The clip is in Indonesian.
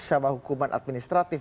sama hukuman administratif